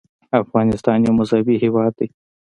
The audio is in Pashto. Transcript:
افغانستان یو مذهبي هېواد دی.